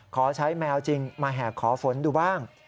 ขอใช้แมวจริงมาแห่ขอฝนดูบ้าง